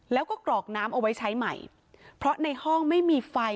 แล้วก็กรอกน้ำเอาไว้ใช้ใหม่เพราะในห้องไม่มีไฟ